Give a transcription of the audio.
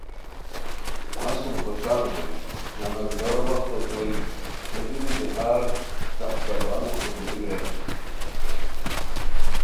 مہ سُم خوشان ہوئے نمازدیگرو وخت اوشوئے ہے دُوری دیہار’’ تختہ بانو‘‘ انگیرو بیرانی